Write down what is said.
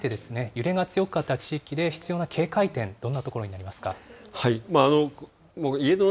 改めて、揺れが強かった地域で必要な警戒点、どんなところになりますか。